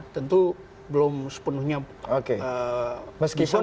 tentu belum sepenuhnya bisa mengubah